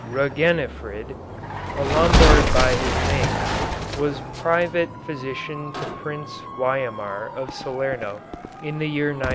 Ragenifrid, a Lombard by his name, was private physician to Prince Wyamar of Salerno in the year 900.